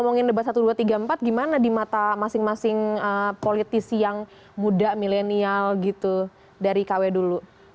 ngomongin debat satu dua tiga empat gimana di mata masing masing politisi yang muda milenial gitu dari kw dulu